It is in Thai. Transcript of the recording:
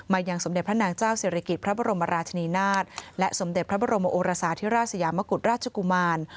ยังสมเด็จพระนางเจ้าศิริกิจพระบรมราชนีนาฏและสมเด็จพระบรมโอรสาธิราชสยามกุฎราชกุมาร